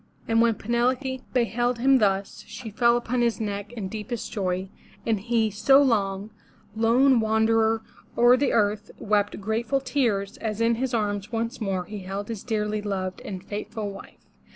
And when Penelope beheld him thus, she fell upon his neck in deepest joy, and he — so long, lone wanderer o'er the earth, wept grateful tears, as in his arms once more he held his dearly loved and faithful wife.